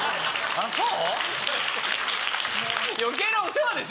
あっそう。